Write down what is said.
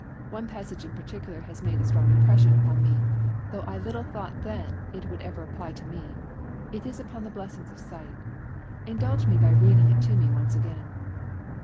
One passage in particular made a strong impression upon me, though I little thought then it would ever apply to me. It is upon the blessings of sight. Indulge me by reading it to me once again."